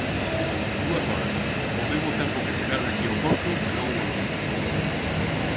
Dúas horas, o mesmo tempo que chegar de aquí ao Porto, e logo volver.